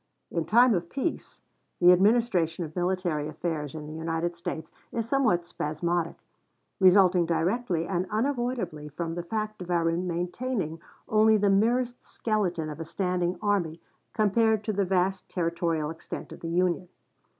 In time of peace, the administration of military affairs in the United States is somewhat spasmodic, resulting directly and unavoidably from the fact of our maintaining only the merest skeleton of a standing army compared to the vast territorial extent of the Union.